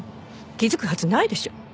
気づくはずないでしょう。